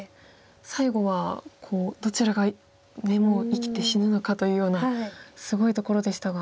最後はどちらがもう生きて死ぬのかというようなすごいところでしたが。